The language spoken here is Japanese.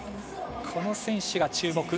この選手が注目。